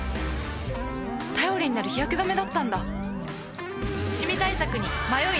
頼りになる日焼け止めだったんだ